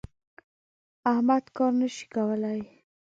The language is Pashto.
احمد کار نه شي کولای.